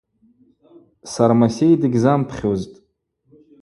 Сармасей дыгьзампхьузтӏ.